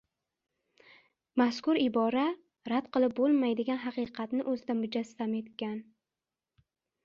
Mazkur ibora rad qilib bo‘lmaydigan haqiqatni o‘zida mujassam etgan.